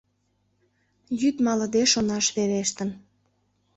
Йӱд малыде шонаш верештын.